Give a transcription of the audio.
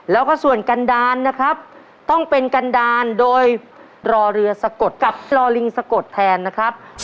แล้วก็ส่วนกันดาลนะครับต้องเป็นกันดาลโดยรอเรือสะกดกับรอลิงสะกดแทนนะครับ